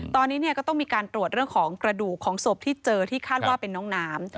ตอนนี้ก็ต้องมีการตรวจเรื่องของกระดูกของศพที่เจอที่คาดว่าเป็นน้องน้ำ